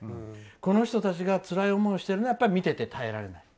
この人たちがつらい思いをしているのは見ていて耐えられない。